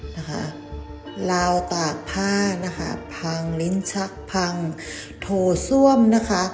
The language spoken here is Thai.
นะคะลาวตากผ้านะคะพังลิ้นชักพังโถส้วมนะคะ